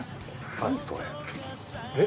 何それえっ